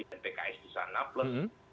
pks di sana plus